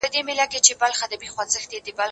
زه بايد ليکلي پاڼي ترتيب کړم!.